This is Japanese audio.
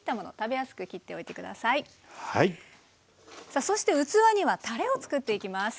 さあそして器にはたれを作っていきます。